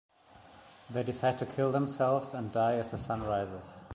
They decide to kill themselves and die as the sun rises.